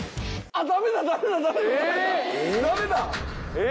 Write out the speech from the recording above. えっ？